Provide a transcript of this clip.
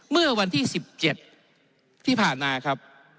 เมื่อวันที่๑๗ที่ผ่านมาครับ